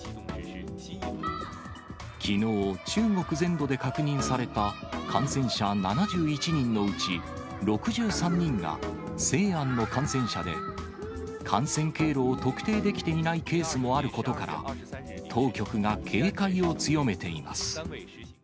きのう、中国全土で確認された感染者７１人のうち、６３人が西安の感染者で、感染経路を特定できていないケースもあることから、当局が警戒を強めています。